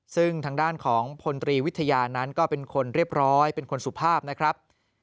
ซึ่งทางด้านของพลตรีวิทยานั้นก็เป็นคนเรียบร้อยเป็นคนสุภาพนะครับ